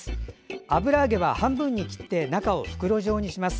油揚げは半分に切って中を袋状にします。